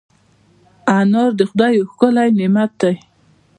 انار د خدای یو ښکلی نعمت دی.